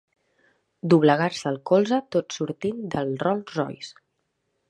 Doblegar-se el colze tot sortint del Rolls Royce.